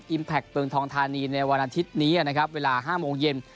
แพคเมืองทองธานีในวันอาทิตย์นี้นะครับเวลา๕โมงเย็น